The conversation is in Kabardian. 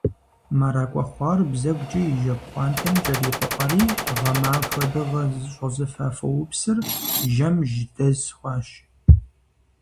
Мэракӏуэ хъуар, бзэгукӏэ и жьэпхъуантэм кӏэрипӏытӏэри, гъэмахуэ дыгъэ зыщӏэзыфа фоупсыр, жьэм жьэдэз хъуащ.